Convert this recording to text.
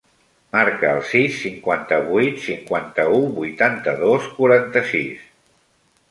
Marca el sis, cinquanta-vuit, cinquanta-u, vuitanta-dos, quaranta-sis.